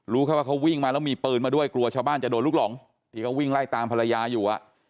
แค่ว่าเขาวิ่งมาแล้วมีปืนมาด้วยกลัวชาวบ้านจะโดนลูกหลงที่เขาวิ่งไล่ตามภรรยาอยู่